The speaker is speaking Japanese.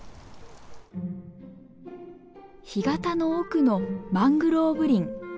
干潟の奥のマングローブ林。